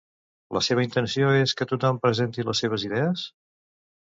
La seva intenció és que tothom presenti les seves idees?